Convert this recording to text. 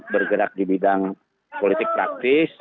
bergerak di bidang politik praktis